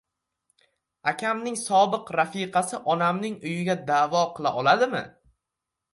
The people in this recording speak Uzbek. "Akamning sobiq rafiqasi onamning uyiga da`vo qila oladimi?"